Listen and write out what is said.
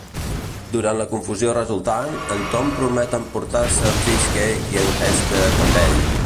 Durant la confusió resultant, en Tom promet emportar-se en Fishcake i en Hester amb ell.